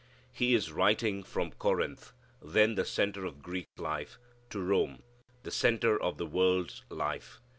He is writing from Corinth, then the centre of Greek life, to Rome, the centre of the world's life.